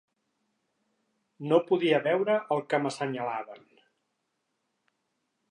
No podia veure el que m'assenyalaven